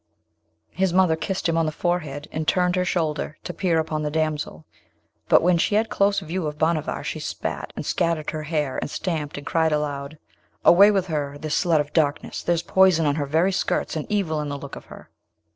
His mother kissed him on the forehead, and turned her shoulder to peer upon the damsel. But when she had close view of Bhanavar, she spat, and scattered her hair, and stamped, and cried aloud, 'Away with her! this slut of darkness! there's poison on her very skirts, and evil in the look of her.'